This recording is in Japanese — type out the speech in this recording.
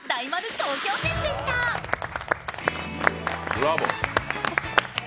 ブラボー。